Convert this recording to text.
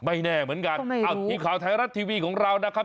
ไม่แน่เหมือนกันทีมข่าวไทยรัฐทีวีของเรานะครับ